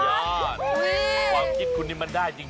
ความคิดคุณนี่มันได้จริง